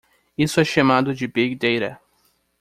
Isso é chamado de big data.